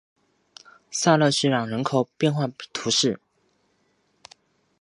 萨勒屈朗人口变化图示